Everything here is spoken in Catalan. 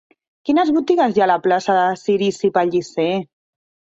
Quines botigues hi ha a la plaça de Cirici Pellicer?